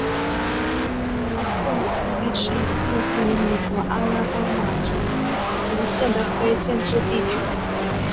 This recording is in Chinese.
西克斯威是一个位于美国阿拉巴马州摩根县的非建制地区。